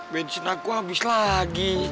bensin aku habis lagi